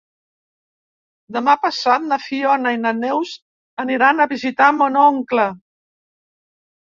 Demà passat na Fiona i na Neus aniran a visitar mon oncle.